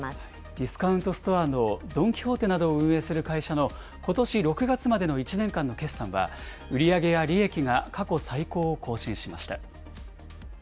ディスカウントストアのドン・キホーテなどを運営する会社のことし６月までの１年間の決算は、売り上げや利益が過去最高を更新しました。